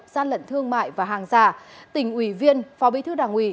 gian lận thương mại và hàng giả tỉnh ủy viên phó bí thư đảng ủy